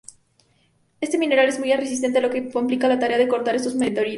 Este mineral es muy resistente, lo que complica la tarea de cortar estos meteoritos.